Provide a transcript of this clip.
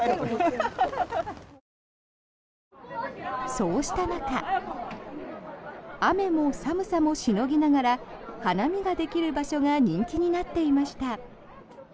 そうした中雨も寒さもしのぎながら花見ができる場所が人気になっていました。